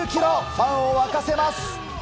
ファンを沸かせます。